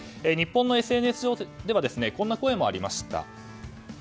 日本のＳＮＳ上ではこんな声もありました。